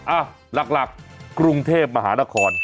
อ่ะหลักกรุงเทพมหานคร